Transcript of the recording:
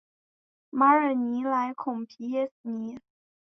马尔尼莱孔皮耶尼。